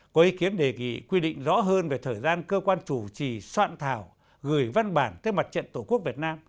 có ý kiến đề nghị quy định rõ hơn về thời gian cơ quan chủ trì soạn thảo gửi văn bản tới mặt trận tổ quốc việt nam